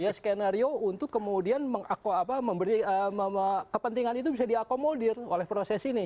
ya skenario untuk kemudian kepentingan itu bisa diakomodir oleh proses ini